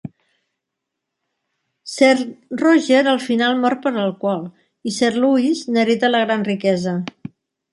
Sir Roger al final mort per l'alcohol i Sir Louis n'hereta la gran riquesa.